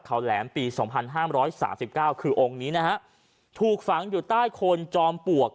เขาแหลมปีสองพันห้ามร้อยสามสิบเก้าคือองค์นี้นะฮะถูกฝังอยู่ใต้โคนจอมปลวก